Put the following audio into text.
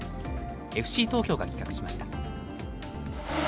ＦＣ東京が企画しました。